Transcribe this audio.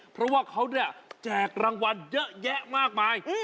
เพราะว่าเขาเนี่ยแจกรางวัลเยอะแยะมากมาย